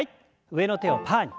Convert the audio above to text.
上の手をパーに。